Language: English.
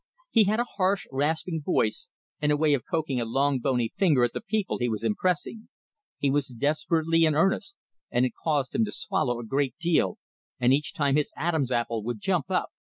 He had a harsh, rasping voice, and a way of poking a long bony finger at the people he was impressing. He was desperately in earnest, and it caused him to swallow a great deal, and each time his Adam's apple would jump up.